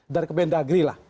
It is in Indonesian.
dari kebendagri lah